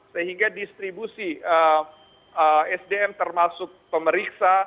sehingga distribusi sdm termasuk pemeriksa